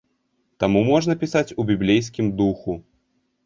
Таму можна пісаць у біблейскім духу.